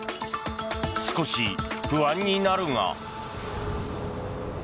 少し不安になるが。